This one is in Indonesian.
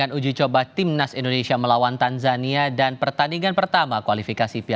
dan jika kita menang kita bisa masuk ke lantai berikutnya